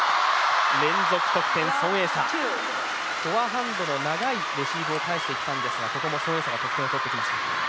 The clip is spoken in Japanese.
フォアハンドの長いレシーブを返してきたんですが、ここも孫エイ莎が得点を取ってきました。